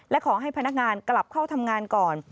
และขอให้พนักงานกลับเข้าทำงานก่อน